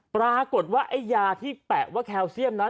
ปรากฏว่าไอ้ยาที่แปะว่าแคลเซียมนั้น